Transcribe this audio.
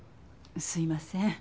すいません。